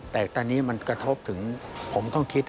แต่ตอนนี้มันกระทบถึงผมต้องคิด